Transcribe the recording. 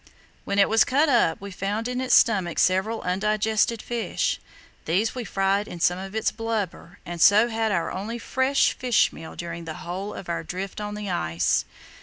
When it was cut up, we found in its stomach several undigested fish. These we fried in some of its blubber, and so had our only "fresh" fish meal during the whole of our drift on the ice.